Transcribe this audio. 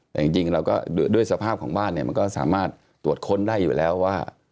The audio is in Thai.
แต่จริงเราก็ด้วยสภาพของบ้านเนี่ยมันก็สามารถตรวจค้นได้อยู่แล้วว่า